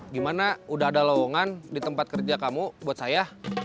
gimana udah ada lowongan di tempat kerja kamu buat saya